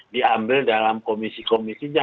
diambil dalam komisi komisinya